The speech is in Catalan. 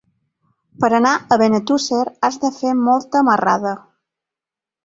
Per anar a Benetússer has de fer molta marrada.